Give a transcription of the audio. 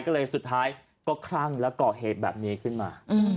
ก็เลยสุดท้ายก็คลั่งแล้วก่อเหตุแบบนี้ขึ้นมา